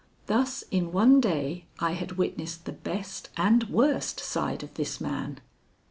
Thus in one day I had witnessed the best and worst side of this man.